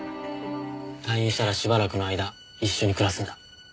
退院したらしばらくの間一緒に暮らすんだ。